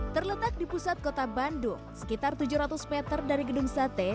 terletak di pusat kota bandung sekitar tujuh ratus meter dari gedung sate